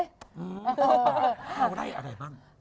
ชาวไล่อะไรบ้าง